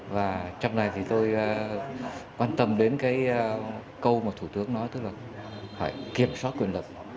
và trong này thì tôi quan tâm đến cái câu mà thủ tướng nói tức là phải kiểm soát quyền lực